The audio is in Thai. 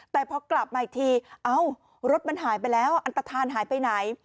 แต่พอกลับมาอีกทีเอ้ารถมันหายไปแล้วอันตฐานหายไปไหน